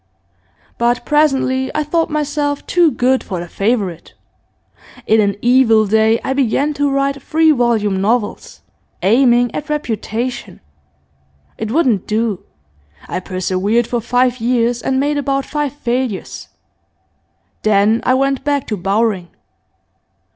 But presently I thought myself too good for the "Favourite"; in an evil day I began to write three volume novels, aiming at reputation. It wouldn't do. I persevered for five years, and made about five failures. Then I went back to Bowring.